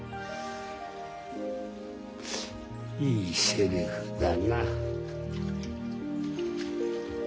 いいセリフだな。